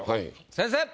先生！